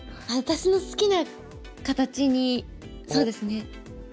私の好きな形にそうですね。